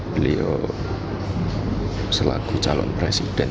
beliau selaku calon presiden